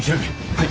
はい。